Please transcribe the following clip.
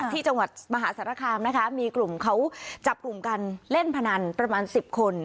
ที่จังหวัดมหาสารคามนะคะมีกลุ่มเขาจับกลุ่มกันเล่นพนันประมาณ๑๐คน